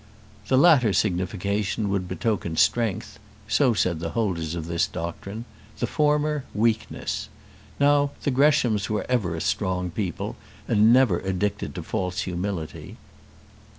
The latter signification would betoken strength so said the holders of this doctrine; the former weakness. Now the Greshams were ever a strong people, and never addicted to a false humility.